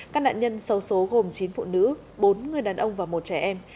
các nạn nhân sâu số gồm chín phụ nữ bốn người đàn ông và một trẻ em